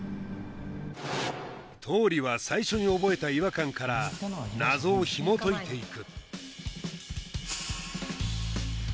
倒理は最初に覚えた違和感から謎をひもといていく